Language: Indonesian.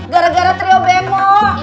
gara gara trio bengok